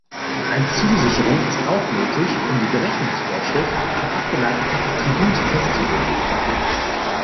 Ein Zusicherung ist auch nötig, um die Berechnungsvorschrift für abgeleitete Attribute festzulegen.